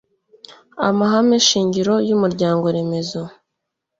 amahame shingiro yumuryango remezo